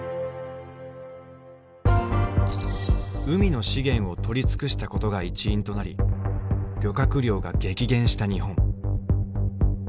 海の資源を取り尽くしたことが一因となり漁獲量が激減した日本。